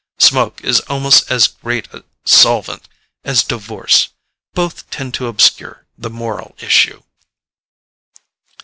Smoke is almost as great a solvent as divorce: both tend to obscure the moral issue."